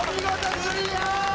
クリア！